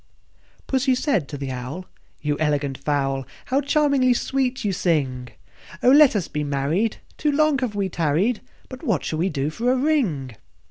II. Pussy said to the Owl, "You elegant fowl, How charmingly sweet you sing! Oh! let us be married; too long we have tarried: But what shall we do for a ring?"